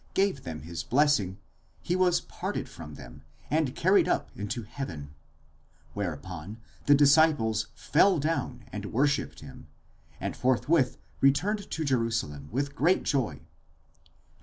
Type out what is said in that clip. gave them his blessing, he was parted from them (διέστη), and carried up into heaven (ἀνεφέρετο) ; whereupon the disciples fell down and worshipped him, and forthwith returned to Jerusalem with great joy (xxiv.